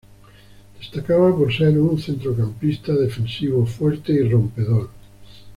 Destacaba por ser un centrocampista defensivo fuerte y rompedor.